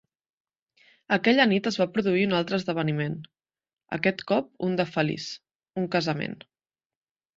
Aquella nit es va produir un altre esdeveniment, aquest cop un de feliç: un casament.